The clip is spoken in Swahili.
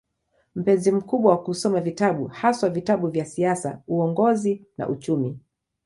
Mpenzi mkubwa wa kusoma vitabu, haswa vitabu vya siasa, uongozi na uchumi.